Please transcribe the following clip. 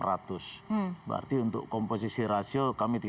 kami tidak memadai dengan komposisi rasio